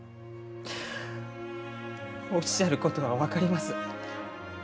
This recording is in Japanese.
おっしゃることは分かります。